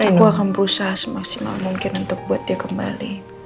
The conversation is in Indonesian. aku akan berusaha semaksimal mungkin untuk buat dia kembali